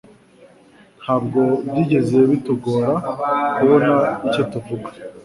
Ntabwo byigeze bitugora kubona icyo tuvuga.